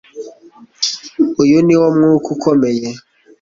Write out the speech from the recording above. uyu niwo mwuka ukomeye